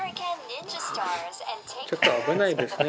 ちょっと危ないですね。